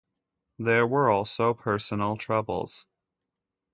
There were also personal troubles.